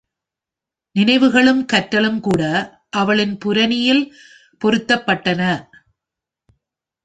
நினைவுகளும் கற்றலும் கூட அவளின் புரணியில் பொருத்தப்பட்டன.